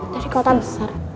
dari kota besar